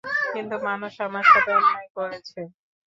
কিছু মানুষ আমার সাথে অন্যায় করেছে।